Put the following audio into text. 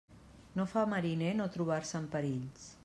No fa mariner no trobar-se en perills.